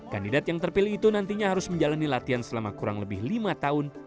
kandidat yang terpilih itu nantinya harus menjalani latihan selama kurang lebih lima tahun